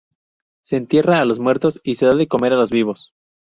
Se entierra a los muertos y se da de comer a los vivos"".